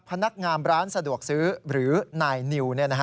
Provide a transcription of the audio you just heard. พนักงานร้านสะดวกซื้อหรือนายนิว